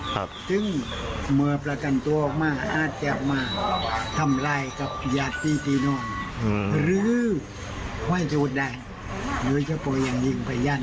ก็คงคิดว่ามีรวบร่วมอย่าตีปีนองท่องโยชน์นะครับ